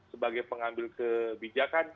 sebagai pengambil kebijakan